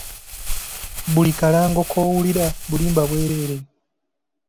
Buli kalango k'owulira bulimba bwereere.